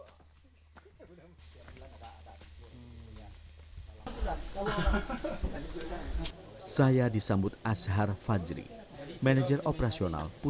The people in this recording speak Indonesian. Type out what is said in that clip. dan menemiresifkan buku saham yang dityebutnya gokul dokum dengan menyuruh kami mengambil kendi wiwan peran sekolah baru